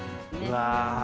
うわ。